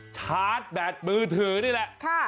ชาร์จแบตมือถือนี่แหละ